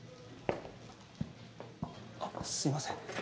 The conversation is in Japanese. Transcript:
あっすいません。